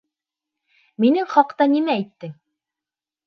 Минең хаҡта нимә әйттең?